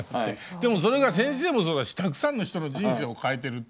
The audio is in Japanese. でもそれが先生もそうだしたくさんの人の人生を変えてるって。